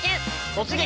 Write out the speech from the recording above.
「突撃！